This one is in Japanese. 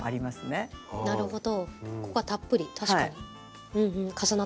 あなるほど。